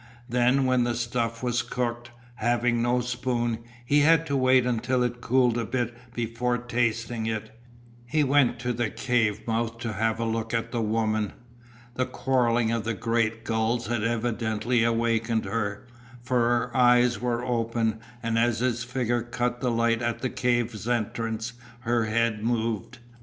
Then when the stuff was cooked, having no spoon, he had to wait until it cooled a bit before tasting it. He went to the cave mouth to have a look at the woman. The quarrelling of the great gulls had evidently awakened her, for her eyes were open, and as his figure cut the light at the cave entrance her head moved.